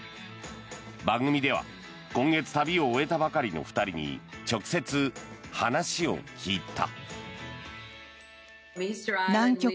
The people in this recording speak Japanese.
番組では今月、旅を終えたばかりの２人に直接話を聞いた。